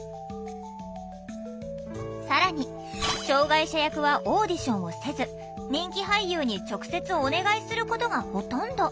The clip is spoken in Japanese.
更に障害者役はオーディションをせず人気俳優に直接お願いすることがほとんど。